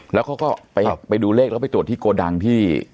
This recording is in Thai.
แล้วเขาก็ไปดูเลขแล้วไปตรวจที่โกดังที่